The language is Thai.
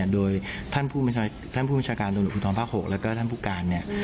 โดยท่านผู้มจาการตำรวจภูทรพ๖และก็ท่านผู้การ